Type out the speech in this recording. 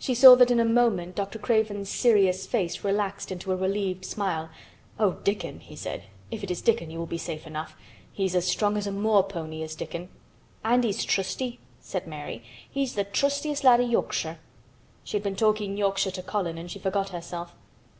She saw that in a moment Dr. Craven's serious face relaxed into a relieved smile. "Oh, Dickon," he said. "If it is Dickon you will be safe enough. He's as strong as a moor pony, is Dickon." "And he's trusty," said Mary. "He's th' trustiest lad i' Yorkshire." She had been talking Yorkshire to Colin and she forgot herself.